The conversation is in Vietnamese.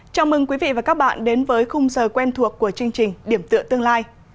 chào mừng quý vị và các bạn đến với khung giờ quen thuộc của chương trình điểm tựa tương lai